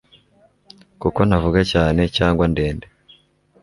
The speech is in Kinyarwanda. kuko ntavuga cyane cyangwa ndende